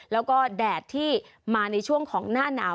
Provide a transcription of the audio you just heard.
แล้วก็แดดที่มาในช่วงของหน้าหนาว